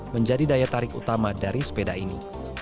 menjadi daya tarik utama dari sepeda ini